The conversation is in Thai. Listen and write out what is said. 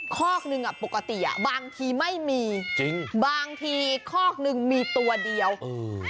ข้อกหนึ่งปกติบางทีไม่มีบางทีข้อกหนึ่งมีตัวเดียวจริง